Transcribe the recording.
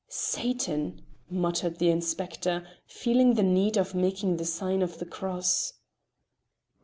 "Satan!" muttered the inspector, feeling the need of making the sign of the cross.